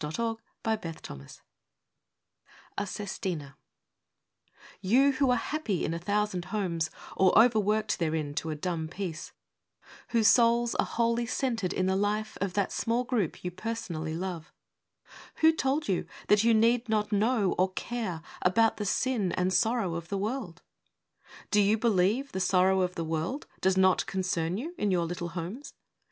TO THE INDIFFERENT WOMEN * A SESTINA You who are happy in a thousand homes, Or overworked therein, to a dumb peace; Whose souls are wholly centered in the life Of that small group you personally love Who told you that you need not know or care About the sin and sorrow of the world? Do you believe the sorrow of the world Does not concern you in your little homes?